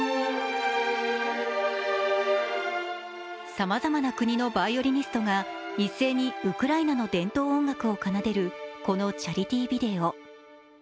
さまざまな国のバイオリニストが一斉にウクライナの伝統音楽を奏でるこのチャリティービデオ。